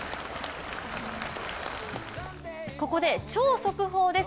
ここで超速報です。